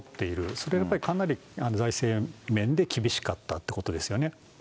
それがやっぱり、かなり財政面で厳しかったってことですよね。